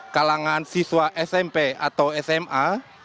kalangan siswa smp atau sma